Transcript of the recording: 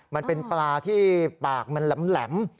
มันเป็นปลาที่ปากมันแหลม